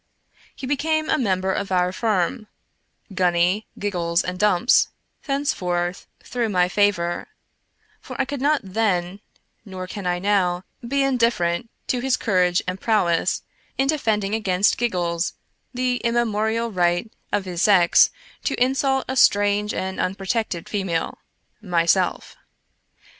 He became a member of our firm —" Gunny, Giggles, and Dumps," thenceforth — through my favor ; for I could not then, nor can I now, be indiffer ent to his courage and prowess in defending against Giggles the immemorial right of his sex to insult a strange and un protected female — myself.